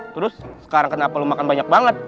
terus sekarang kenapa lo makan banyak banget